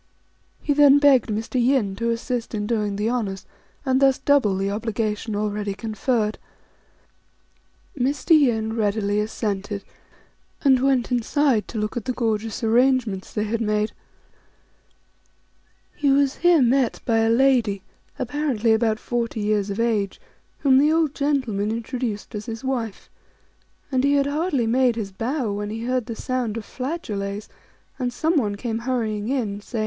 He then begged Mr. Yin to assist in doing the honours, and thus double the obligation already conferred. Mr. Yin readily assented, and went inside to look at the gorgeous arrangements they had made. He was here met by a lady, apparently about forty years of age, whom the old gentleman introduced as his wife ; and he had hardly made his bow when he heard the sound of flageolets, 5 and someone came hurrying in, saying, 4 This is, as with us, obligatory on all friends invited to a marriage.